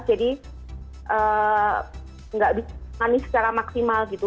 jadi nggak bisa nyamik secara maksimal gitu